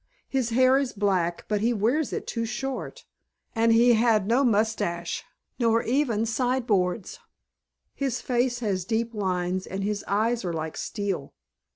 His hair is black but he wears it too short, and he had no mustache, nor even sideboards. His face has deep lines and his eyes are like steel.